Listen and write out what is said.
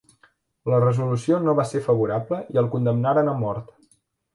La resolució no va ser favorable i el condemnaren a mort.